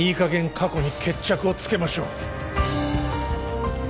過去に決着をつけましょう